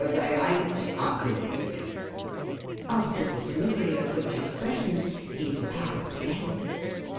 They ain't ugly." After the delivery of which expressions, he retired again.